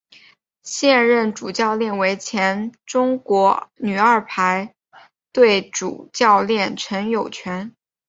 现任主教练为前中国女排二队主教练陈友泉。